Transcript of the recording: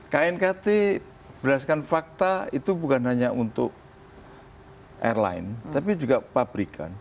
knkt berdasarkan fakta itu bukan hanya untuk airline tapi juga pabrikan